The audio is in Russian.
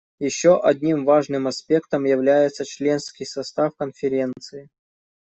Еще одним важным аспектом является членский состав Конференции.